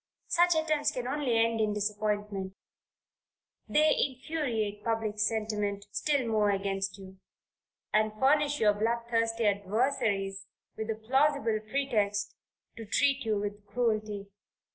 Such attempts can only end in disappointment; they infuriate public sentiment still more against you, and furnish your blood thirsty adversaries with a plausible pretext, to treat you with cruelty.